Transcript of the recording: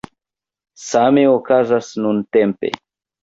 Same okazas nuntempe.